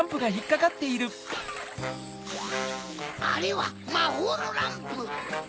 あれはまほうのランプ！